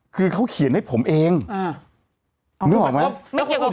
คือเขาเขียนให้ผมเองอ่าไม่เห็นหรือเปล่า